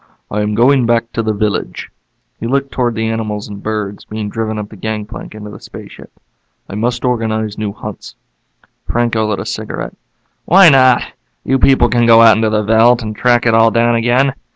"I am going back to the village." He looked toward the animals and birds being driven up the gangplank into the spaceship. "I must organize new hunts." Franco lit a cigarette. "Why not? You people can go out into the veldt and track it all down again.